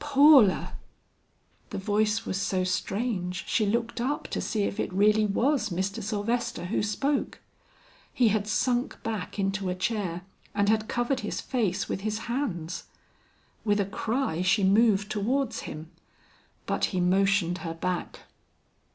"Paula!" The voice was so strange she looked up to see if it really was Mr. Sylvester who spoke. He had sunk back into a chair and had covered his face with his hands. With a cry she moved towards him, but he motioned her back.